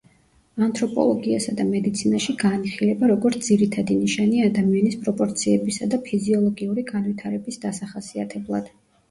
ანთროპოლოგიასა და მედიცინაში განიხილება, როგორც ძირითადი ნიშანი ადამიანის პროპორციებისა და ფიზიოლოგიური განვითარების დასახასიათებლად.